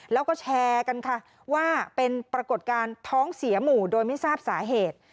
แล้วก็แชร์กันค่ะว่าเป็นปรากฏการณ์ท้องเสียหมู่โดยไม่ทราบสาเหตุ